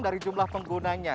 dari jumlah penggunanya